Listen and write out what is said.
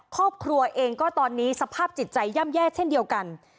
ครอบครัวเองก็ตอนนี้สภาพจิตใจย่ำแย่เช่นเดียวกัน